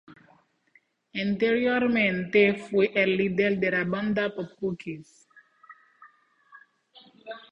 Anteriormente fue el líder de la banda pop Cookies.